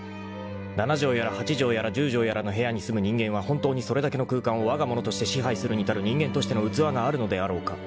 ［七畳やら八畳やら十畳やらの部屋に住む人間は本当にそれだけの空間をわが物として支配するに足る人間としての器があるのであろうか］